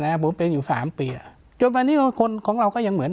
ผมเป็นอยู่สามปีอ่ะจนวันนี้คนของเราก็ยังเหมือน